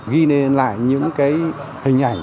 ghi lên lại những hình ảnh